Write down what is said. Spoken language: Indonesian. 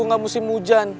nggak musim hujan